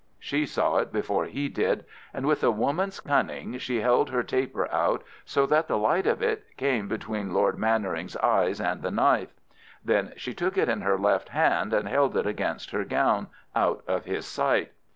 She saw it before he did, and with a woman's cunning she held her taper out so that the light of it came between Lord Mannering's eyes and the knife. Then she took it in her left hand and held it against her gown out of his sight.